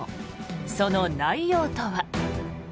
その内容とは。